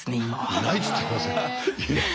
いないって言ってますよ。